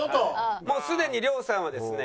もうすでに亮さんはですね